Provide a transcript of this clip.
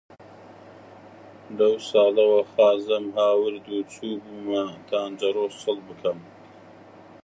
لەو ساڵەوە خازەم هاورد و چووبوومە تانجەرۆ سڵ بکەم،